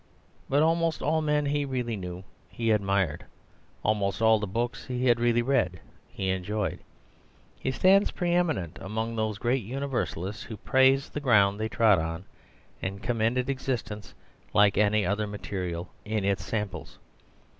But almost all the men he really knew he admired, almost all the books he had really read he enjoyed. He stands pre eminent among those great universalists who praised the ground they trod on and commended existence like any other material, in its samples.